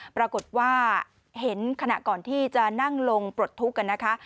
ปรากฏว่าเห็นขณะก่อนที่จะนั่งลงปลดทุกข์กันนะคะ